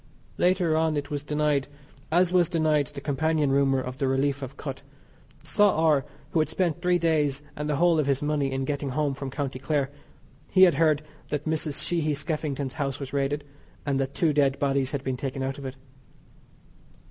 Later on it was denied, as was denied the companion rumour of the relief of Kut. Saw R. who had spent three days and the whole of his money in getting home from County Clare. He had heard that Mrs. Sheehy Skeffington's house was raided, and that two dead bodies had been taken out of it.